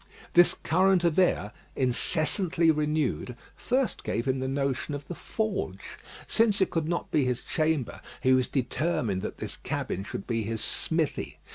This current of air, incessantly renewed, first gave him the notion of the forge. Since it could not be his chamber, he was determined that this cabin should be his smithy.